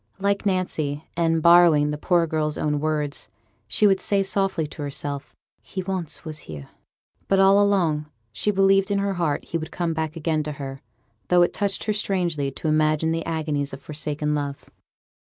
Like Nancy, and borrowing the poor girl's own words, she would say softly to herself, 'He once was here'; but all along she believed in her heart he would come back again to her, though it touched her strangely to imagine the agonies of forsaken love.